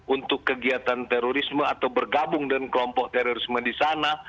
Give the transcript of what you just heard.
untuk kegiatan terorisme atau bergabung dengan kelompok terorisme di sana